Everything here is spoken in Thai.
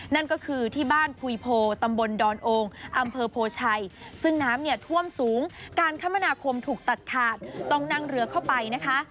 นั่นก็คือที่บ้านคุยโพตำบลดอนโองอำเภอโพชัยซึ่งน้ำเนี่ยท่วมสูงการคมนาคมถูกตัดขาดต้องนั่งเรือเข้าไปนะคะ